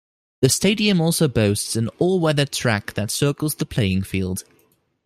The stadium also boasts an all-weather track that circles the playing field.